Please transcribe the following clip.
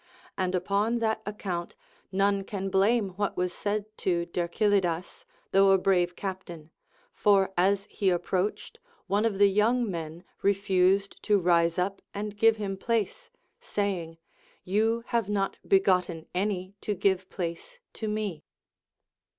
And upon that account none can blame what was said to Dercyllidas, though a brave captain ; for as he approached, one of the young men refused to rise up and give him place, saying, You have not begotten any to give place to me.